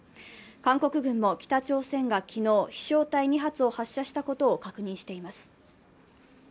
韓国軍も北朝鮮が昨日、飛翔体２発を発射したことを確認しています。